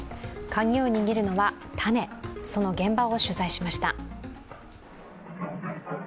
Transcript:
カギを握るのは種その現場を取材しました。